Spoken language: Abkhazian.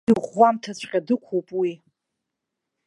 Иӷәӷәамҭаҵәҟьа дықәуп уи.